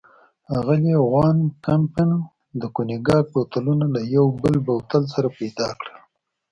اغلې وان کمپن د کونیګاک بوتلونه له یو بل بوتل سره پيدا کړل.